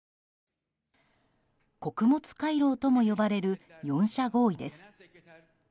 穀物回廊とも呼ばれる４者合意です。